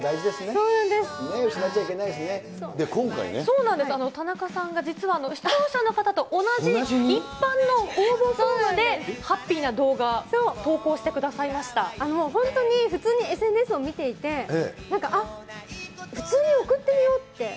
そうなんです、田中さんが実は、視聴者の方と同じ一般の応募フォームで、ハッピーな動画、投稿しもう本当に、普通にＳＮＳを見ていて、なんか、あっ、普通に送ってみようって。